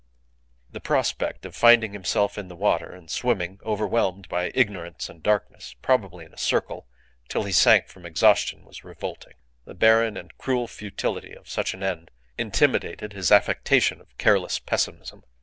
The prospect of finding himself in the water and swimming, overwhelmed by ignorance and darkness, probably in a circle, till he sank from exhaustion, was revolting. The barren and cruel futility of such an end intimidated his affectation of careless pessimism.